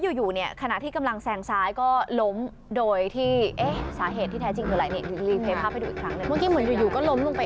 โอ้โฮโอ้โฮโอ้โฮโอ้โฮโอ้โฮโอ้โฮโอ้โฮ